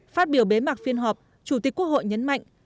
phát biểu bế mạc phiên họp chủ tịch quốc hội nhấn mạnh